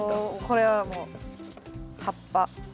これはもう葉っぱ。